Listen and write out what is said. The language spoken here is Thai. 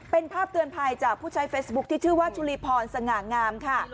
เป็นภาพเตือนภัยจากผู้ใช้เฟซบุ๊คที่ชื่อว่าชุลีพรสง่างามค่ะ